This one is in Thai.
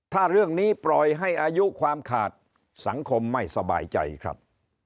ถ้าเรื่องนี้ปล่อยให้อายุความขาดสังคมไม่สบายใจครับ